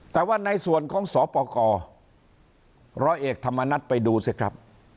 แต่ว่าในส่วนของสปกรร้อยเอกธรรมนัฏไปดูสิครับ